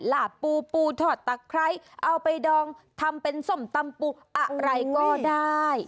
ลาบปูปูถอดตะไคร้เอาไปดองทำเป็นส้มตำปูอะไรก็ได้